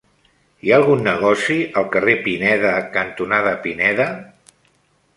Hi ha algun negoci al carrer Pineda cantonada Pineda?